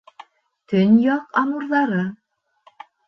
ТӨНЬЯҠ АМУРҘАРЫ